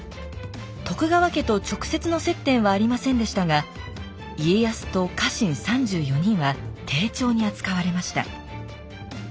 徳川家と直接の接点はありませんでしたが家康と家臣３４人は丁重に扱われました。